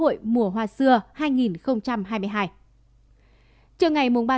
tạm dừng lễ hội mùa hoa xưa hai nghìn hai mươi hai